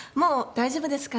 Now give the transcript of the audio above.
大丈夫ですか？